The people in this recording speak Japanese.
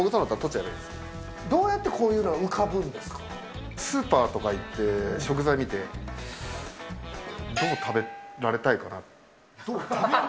どうやってこういうのは浮かスーパーとか行って、食材見食べられたいか？